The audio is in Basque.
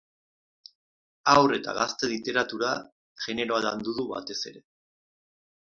Haur eta gazte literatura generoa landu du batez ere.